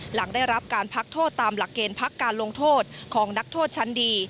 หลังได้รับการพักโทษตามหลักเกณฑ์พักการลงโทษของนักโทษชั้นดี